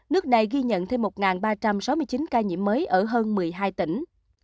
nước này ghi nhận thêm một ba trăm sáu mươi chín ca nhiễm mới ở hơn một mươi hai tỉnh